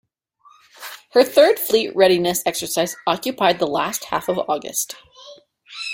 Her third fleet readiness exercise occupied the last half of August.